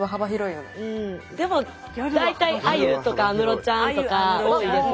でも大体ａｙｕとか安室ちゃんとか多いですね。